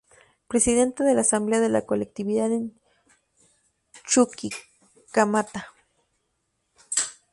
Presidente de la Asamblea de la colectividad en Chuquicamata.